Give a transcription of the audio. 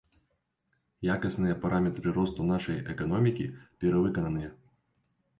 Якасныя параметры росту нашай эканомікі перавыкананыя.